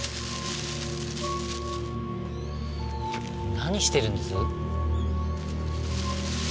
何してるんです？